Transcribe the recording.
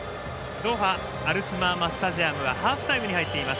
ドーハアルスマーマスタジアムはハーフタイムに入っています。